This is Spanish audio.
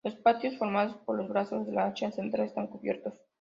Los patios formados por los brazos de la H central están cubiertos.